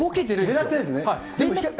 狙ってないんですね？